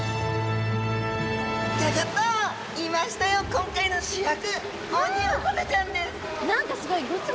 今回の主役オニオコゼちゃんです。